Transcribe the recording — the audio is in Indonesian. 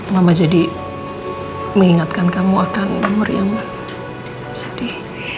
mama jadi mengingatkan kamu akan umur yang sedih